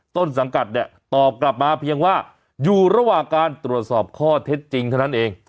ต้นสังกัดเนี่ยตอบกลับมาเพียงว่าอยู่ระหว่างการตรวจสอบข้อเท็จจริงเท่านั้นเอง